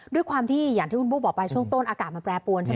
ด้วยความที่อย่างที่คุณบุ๊คบอกไปช่วงต้นอากาศมันแปรปวนใช่ไหม